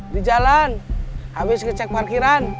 di jalan habis ngecek parkiran